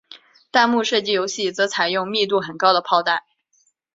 弹幕射击游戏则采用密度很高的炮弹。